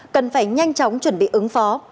cần phải nhanh chóng chuẩn bị ứng phó